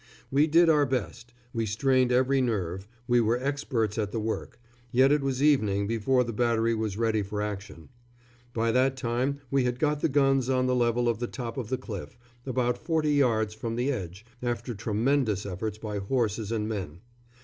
We did our best, we strained every nerve, we were experts at the work, yet it was evening before the battery was ready for action. By that time we had got the guns on the level at the top of the cliff, about forty yards from the edge, after tremendous efforts by horses and men.